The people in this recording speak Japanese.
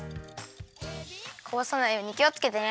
こぼさないようにきをつけてね。